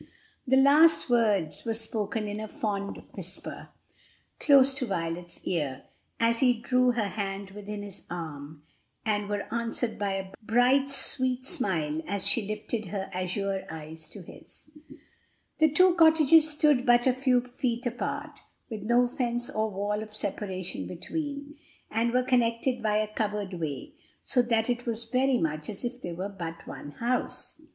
The last words were spoken in a fond whisper, close to Violet's ear, as he drew her hand within his arm, and were answered by a bright, sweet smile as she lifted her azure eyes to his. The two cottages stood but a few feet apart, with no fence or wall of separation between, and were connected by a covered way; so that it was very much as if they were but one house.